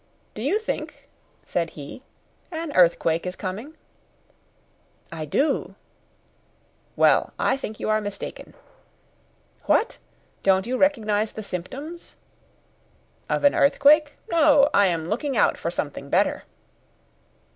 "Do you think," said he, "an earthquake is coming?" "I do." "Well, I think you are mistaken." "What! don't you recognise the symptoms?" "Of an earthquake? no! I am looking out for something better."